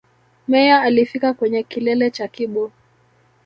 Meyer alifika kwenye kilele cha Kibo